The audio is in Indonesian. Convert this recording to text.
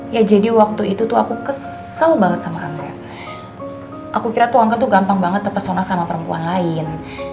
ya jadi waktu itu tuh aku kesel banget sama anda aku kira tuh angka tuh gampang banget terpesona sama perempuan lain